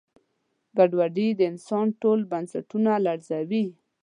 ګډوډي د انسان ټول بنسټونه لړزوي.